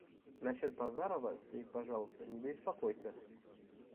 Насчет Базарова ты, пожалуйста, не беспокойся.